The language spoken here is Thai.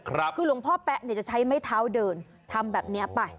คือหลวงพ่อแป๊ะเนี่ยจะใช้ไม้เท้าเดินทำแบบนี้ไป